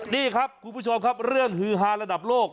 นี่ครับคุณผู้ชมครับเรื่องฮือฮาระดับโลก